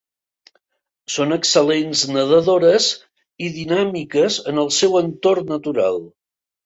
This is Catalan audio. Són excel·lents nedadores i dinàmiques en el seu entorn natural.